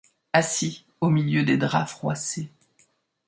assis au milieu des draps froissés.